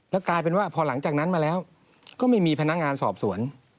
แล้วกลายเป็นว่าพอหลังจากนั้นมาแล้วก็ไม่มีพนักงานสอบสวน